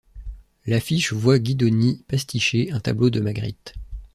L'affiche voit Guidoni pasticher un tableau de Magritte.